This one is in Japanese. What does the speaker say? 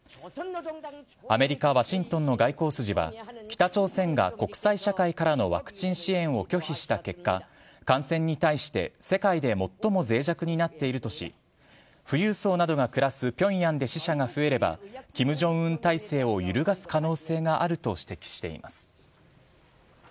アメリカ・ワシントンの外交筋は、北朝鮮が国際社会からのワクチン支援を拒否した結果、感染に対して、世界で最もぜい弱になっているとし、富裕層などが暮らすピョンヤンで死者が増えれば、キム・ジョンウン体制を揺るがす可能性があると指摘しています。